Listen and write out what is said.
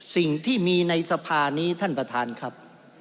สิ่งที่มีในสภานี้ท่านประธานครับ